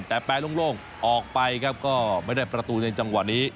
แต่แปลโล่งออกไปครับก็ไม่ได้ประตูในจังหวะนี้